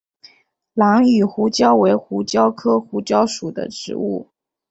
兰屿胡椒为胡椒科胡椒属的植物。